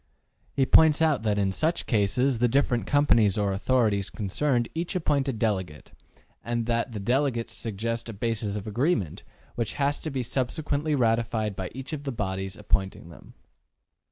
He points out that in such cases the different companies or authorities concerned each appoint a delegate, and that the delegates suggest a basis of agreement, which has to be subsequently ratified by each of the bodies ap pointing them.